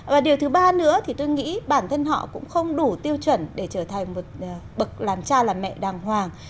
và điều thứ ba nữa thì tôi nghĩ bản thân họ cũng không đủ tiêu chuẩn để trở thành một bậc làm cha làm mẹ đàng hoàng